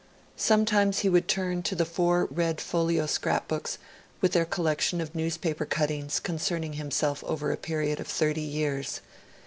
Sometimes he would turn to the four red folio scrapbooks with their collection of newspaper cuttings, concerning himself, over a period of thirty years.